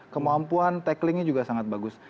kemampuan tacklingnya juga sangat bagus